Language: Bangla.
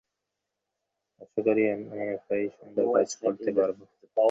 আশা করি, আমি একাই সুন্দর কাজ করতে পারব।